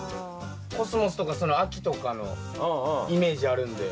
コスモスとか秋とかのイメージあるんで。